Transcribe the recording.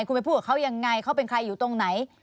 คุณไปพูดกับเขายังไงเขาเป็นใครอยู่ตรงไหน